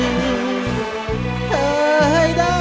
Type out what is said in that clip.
ไม่ใช้ครับไม่ใช้ครับ